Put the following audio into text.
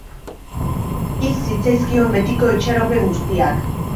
Hil zitzaizkion betiko itxaropen guztiak.